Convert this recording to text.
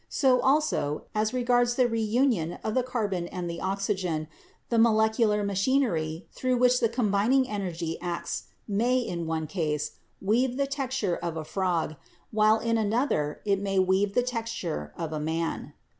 So also, as regards the reunion of the carbon and the oxygen, the molecular machinery through which the combining energy acts may, in one case, weave the texture of a frog, while in another it may weave the texture of a man.